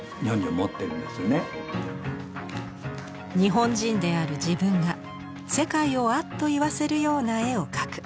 だから日本人である自分が世界をアッと言わせるような絵を描く。